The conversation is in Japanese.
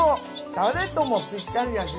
たれともぴったりだし。